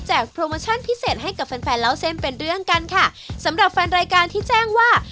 โปรโมชั่นพิเศษให้กับแฟนแฟนเล่าเส้นเป็นเรื่องกันค่ะสำหรับแฟนรายการที่แจ้งว่า